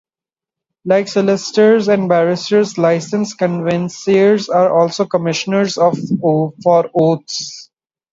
Like solicitors and barristers, Licensed Conveyancers are also Commissioners for Oaths.